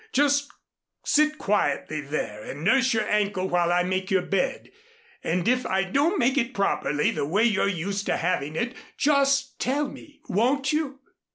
Just sit quietly there and nurse your ankle while I make your bed. And if I don't make it properly, the way you're used to having it, just tell me. Won't you?"